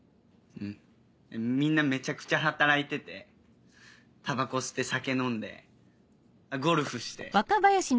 みんなめちゃくちゃ働いててタバコ吸って酒飲んでゴルフして。